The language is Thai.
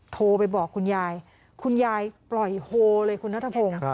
โทรไปบอกคุณยายคุณยายปล่อยโฮเลยคุณนัทพงศ์